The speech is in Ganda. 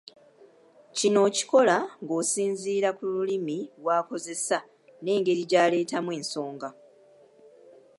Kino okikola ng'osinziira ku lulimi lw'akozesa n'engeri gy'aleetamu ensonga.